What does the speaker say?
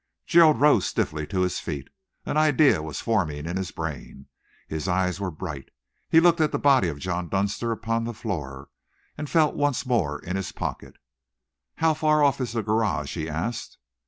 Gerald rose stiffly to his feet. An idea was forming in his brain. His eyes were bright. He looked at the body of John Dunster upon the floor, and felt once more in his pocket. "How far off is the garage?" he asked.